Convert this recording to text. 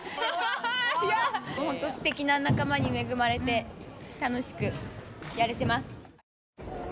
すてきな仲間に恵まれて楽しくやれてます。